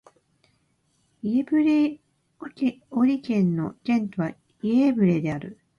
イェヴレボリ県の県都はイェーヴレである